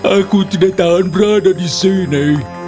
aku tidak tahan berada di sini